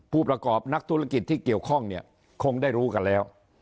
ผู้ประกอบนักธุรกิจที่เกี่ยวข้องเนี่ยคงได้รู้กันแล้ว